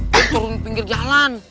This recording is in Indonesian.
dia turun pinggir jalan